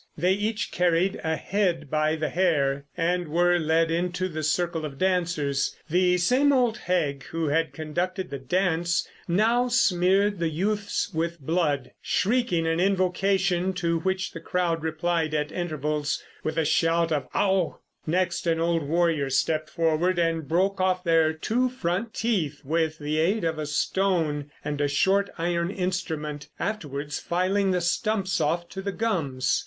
They each carried a head by the hair and were led into the circle of dancers. The same old hag who had conducted the dance now smeared the youths with blood, shrieking an invocation, to which the crowd replied at intervals with a shout of "Augh!" Next an old warrior stepped forward and broke off their two front teeth with the aid of a stone and a short iron instrument, afterwards filing the stumps off to the gums.